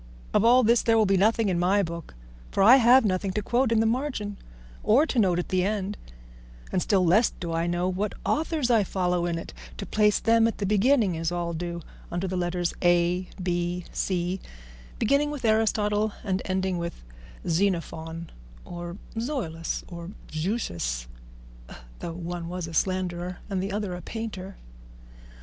Of all this there will be nothing in my book, for I have nothing to quote in the margin or to note at the end, and still less do I know what authors I follow in it, to place them at the beginning, as all do, under the letters A, B, C, beginning with Aristotle and ending with Xenophon, or Zoilus, or Zeuxis, though one was a slanderer and the other a painter.